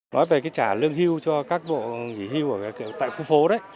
nói về cái trả lương hưu cho các bộ nghỉ hưu tại khu phố đấy